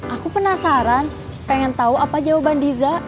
aku penasaran pengen tahu apa jawaban diza